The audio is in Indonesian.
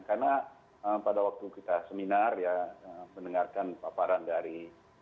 karena pada waktu kita seminar ya mendengarkan paparan dari